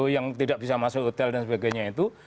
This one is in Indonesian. yang tidak bisa masuk hotel dan sebagainya itu